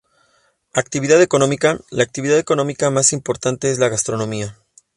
Actividad económica: La actividad económica más importante es la gastronomía.